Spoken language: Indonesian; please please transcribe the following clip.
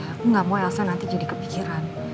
aku gak mau elsa nanti jadi kepikiran